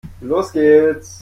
Los geht's!